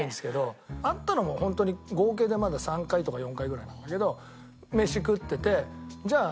会ったのもホントに合計でまだ３回とか４回ぐらいなんだけど飯食っててじゃあ